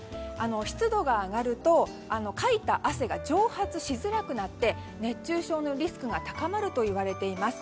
湿度が上がるとかいた汗が蒸発しづらくなって熱中症のリスクが高まるといわれています。